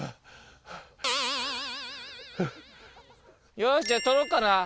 よしじゃあ取ろっかな。